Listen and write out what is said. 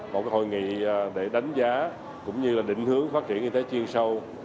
một hội nghị để đánh giá cũng như là định hướng phát triển y tế chuyên sâu